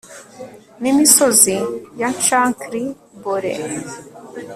Nimisozi ya Chankly Bore